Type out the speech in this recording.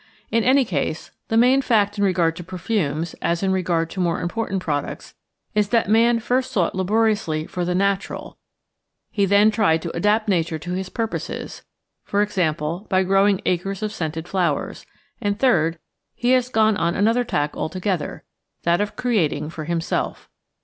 In any case, the main fact in regard to perfumes, as in regard to more important products, is that man first sought laboriously for "the natural"; he then tried to adapt Nature to his purposes, e.g. by growing acres of scented flowers; and third, he has gone on an other tack altogether that of creating for himself.